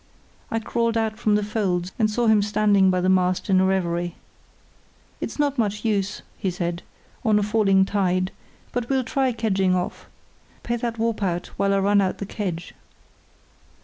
I crawled out from the folds, and saw him standing by the mast in a reverie. "It's not much use," he said, "on a falling tide, but we'll try kedging off. Pay that warp out while I run out the kedge."